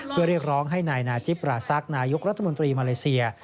เพื่อเรียกร้องให้นายนาจิปราซักนายกรัฐมนตรีมาเลเซีย